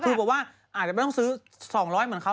คือบอกว่าอาจจะไม่ต้องซื้อ๒๐๐เหมือนเขา